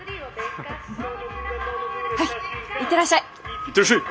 はい行ってらっしゃい。